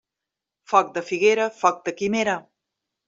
Foc de figuera, foc de quimera.